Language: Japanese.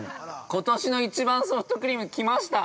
ことしの一番ソフトクリーム来ました！！